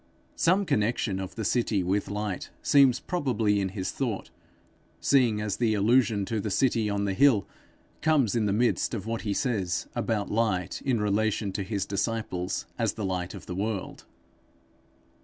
Some connection of the city with light seems probably in his thought, seeing the allusion to the city on the hill comes in the midst of what he says about light in relation to his disciples as the light of the world.